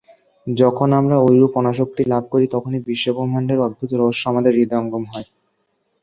যখন আমরা ঐরূপ অনাসক্তি লাভ করি, তখনই বিশ্বব্রহ্মাণ্ডের অদ্ভুত রহস্য আমাদের হৃদয়ঙ্গম হয়।